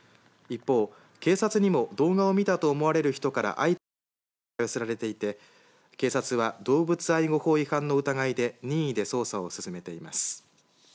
一方、警察にも動画を見たと思われる人から相次いで通報が寄せられていて警察は動物愛護法違反の疑いで任意で捜査を進めています。